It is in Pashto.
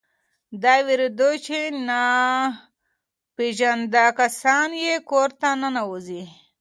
دی وېرېده چې ناپېژانده کسان به یې کور ته ننوځي.